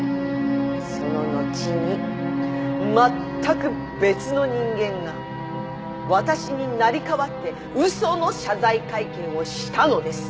その後にまったく別の人間が私に成り代わって嘘の謝罪会見をしたのです。